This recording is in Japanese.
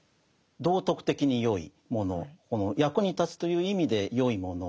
道徳的に善いもの役に立つという意味で善いもの